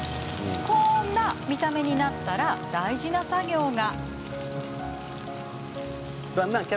こんな見た目になったら大事な作業が。